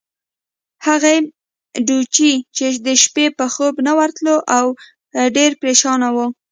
هغه ډوچي چې د شپې به خوب نه ورتلو، او ډېر پرېشان وو.